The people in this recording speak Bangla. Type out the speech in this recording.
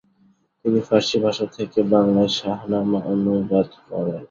তিনি ফারসি ভাষা থেকে বাংলায় শাহনামা অনুবাদ করেন।